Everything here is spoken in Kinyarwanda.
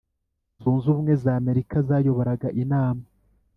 zunze ubumwe z'amerika zayoboraga inama